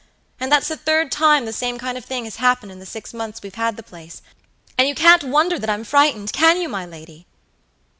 And that's the third time the same kind of thing has happened in the six months we've had the place, and you can't wonder that I'm frightened, can you, my lady?"